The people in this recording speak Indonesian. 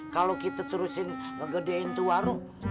kalau kita terusin ngegedein tuh warung